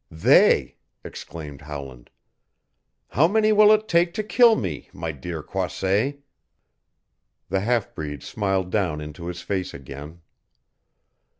"They!" exclaimed Howland. "How many will it take to kill me, my dear Croisset?" The half breed smiled down into his face again.